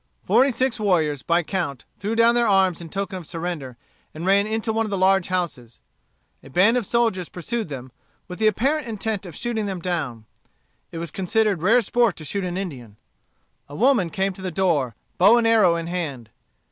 Forty six warriors, by count, threw down their arms in token of surrender, and ran into one of the large houses. A band of soldiers pursued them, with the apparent intent of shooting them down. It was considered rare sport to shoot an Indian. A woman came to the door, bow and arrow in hand.